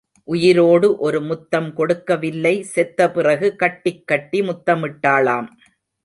உயிரோடு ஒரு முத்தம் கொடுக்கவில்லை செத்த பிறகு கட்டிக் கட்டி முத்தமிட்டாளாம்.